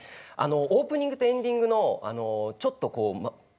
オープニングとエンディングのちょっとこう。